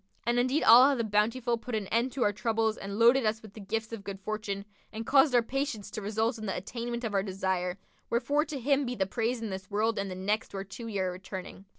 And indeed Allah the Bountiful put an end to our troubles and loaded us with the gifts of good fortune and caused our patience to result in the attainment of our desire: wherefore to Him be the praise in this world and the next whereto we are returning."